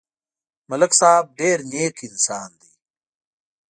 ملک صاحب نېک انسان دی.